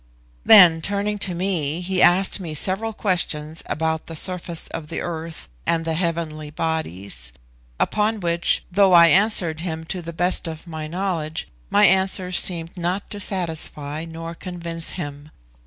Then, turning to me, he asked me several questions about the surface of the earth and the heavenly bodies; upon which, though I answered him to the best of my knowledge, my answers seemed not to satisfy nor convince him.